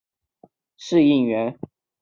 人参被珍视为一种适应原。